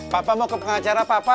papa mau ke pengacara papa